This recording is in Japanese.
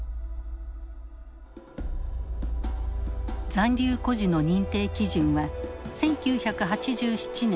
残留孤児の認定基準は１９８７年